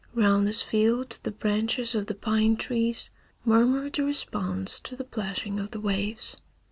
Round this field the branches of the pine trees murmured a response to the plashing of the waves.